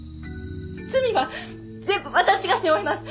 罪は全部私が背負います！